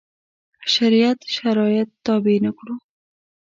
شریعت شرایط تابع نه کړو.